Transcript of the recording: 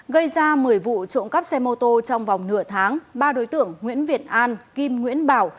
gây ra một mươi vụ trộm cắp xe mô tô trong vòng nửa tháng ba đối tượng nguyễn việt an kim nguyễn bảo